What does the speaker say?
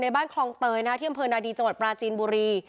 บ้านคลองเตยนะที่อำเภอนาดีจังหวัดปราจีนบุรี